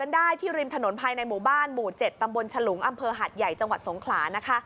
ได้ที่ริมถนนภายในหมู่บ้านหมู่๗ตำบลฉลุงอำเภอหาดใหญ่จังหวัดสงขลานะคะ